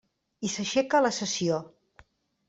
I s'aixeca la sessió.